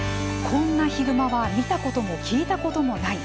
こんなヒグマは見たことも聞いたこともない。